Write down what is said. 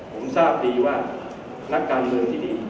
ผมทราบดีว่านักการเมืองที่ดี